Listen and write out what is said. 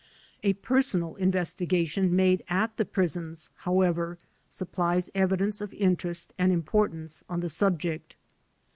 A personal investiga tion made at the prisons, however, supplies evidence of interest and importance on the subject.